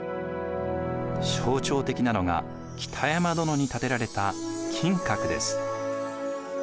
象徴的なのが北山殿に建てられた金閣です。